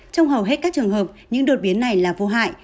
trong hầu hết các trường hợp những đột biến này là vô hại